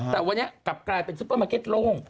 แต่วันนี้กลับกลายเป็นซุปเปอร์มาร์เก็ตโล่ง